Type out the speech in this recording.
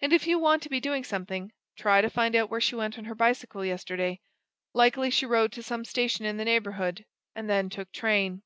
And if you want to be doing something, try to find out where she went on her bicycle yesterday likely, she rode to some station in the neighbourhood, and then took train."